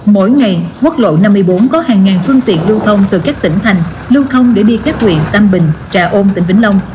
mỗi ngày quốc lộ năm mươi bốn có hàng ngàn phương tiện lưu thông từ các tỉnh thành lưu thông để đi các huyện tam bình trà ôn tỉnh vĩnh long